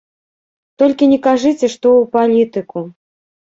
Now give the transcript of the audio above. Толькі не кажыце, што ў палітыку.